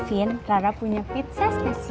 btw davin rara punya pizza spesial buat davin